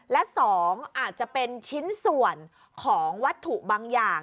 และ๒อาจจะเป็นชิ้นส่วนของวัตถุบางอย่าง